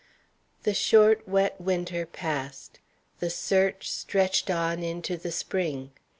The short, wet winter passed. The search stretched on into the spring.